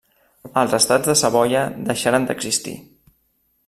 Els Estats de Savoia deixaren d'existir.